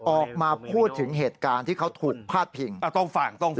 ออกมาพูดถึงเหตุการณ์ที่เขาถูกพลาดพิงตรงฝั่งตรงฝั่ง